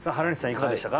いかがでしたか？